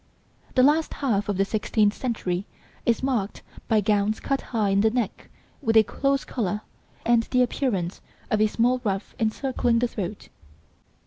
The last half of the sixteenth century is marked by gowns cut high in the neck with a close collar, and the appearance of a small ruff encircling the throat.